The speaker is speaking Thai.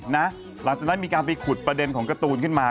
หลังจากนั้นมีการไปขุดประเด็นของการ์ตูนขึ้นมา